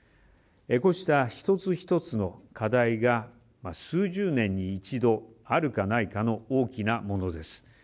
こうした一つ一つの課題が数十年に一度あるかないかの大きなものです。